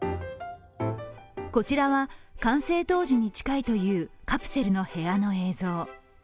こちらは完成当時に近いというカプセルの部屋の映像。